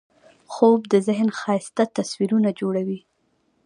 خوب د ذهن ښایسته تصویرونه جوړوي